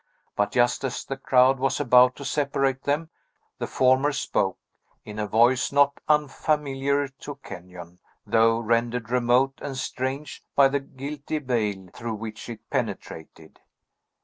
But, just as the crowd was about to separate them, the former spoke, in a voice not unfamiliar to Kenyon, though rendered remote and strange by the guilty veil through which it penetrated.